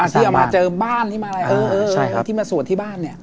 ที่เอามาเจอบ้านที่มาอะไรที่มาสวดที่บ้านเนี่ย